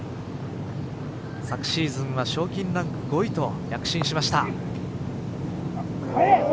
昨シーズンは賞金ランク５位と躍進しました。